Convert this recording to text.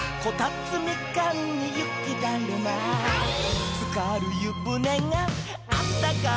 「つかるゆぶねがあったかーいねポン」